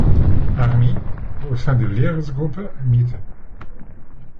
Armee, au sein de l'Heeresgruppe Mitte.